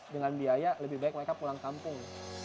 dengan biaya lebih baik mereka pulang kampung